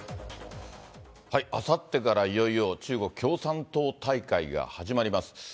あさってからいよいよ中国共産党大会が始まります。